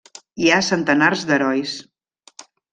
Hi ha centenars d'herois.